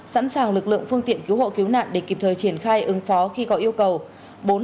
sẵn sàng lực lượng phương tiện cứu hộ cứu nạn để kịp thời triển khai ứng phó khi có yêu cầu